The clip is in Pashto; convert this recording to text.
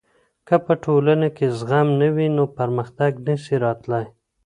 که په ټولنه کي زغم نه وي نو پرمختګ نسي راتلای.